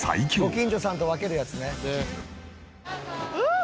「ご近所さんと分けるやつね」